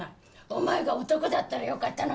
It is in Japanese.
「お前が男だったらよかったのにな」って。